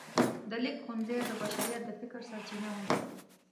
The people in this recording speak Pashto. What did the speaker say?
د لیک ښوونځی د بشریت د فکر سرچینه وه.